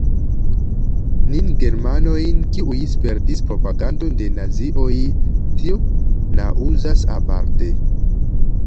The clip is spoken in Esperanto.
Nin germanojn, kiuj spertis propagandon de nazioj, tio naŭzas aparte.